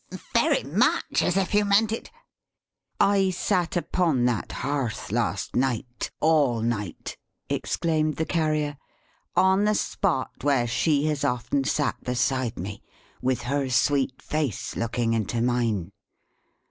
"Very much as if you meant it." "I sat upon that hearth, last night, all night," exclaimed the Carrier. "On the spot where she has often sat beside me, with her sweet face looking into mine.